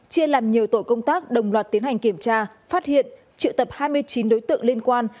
chia làm nhiều tổ công tác đồng loạt tiến hành kiểm tra phát hiện triệu tập hai mươi chín đối tượng liên quan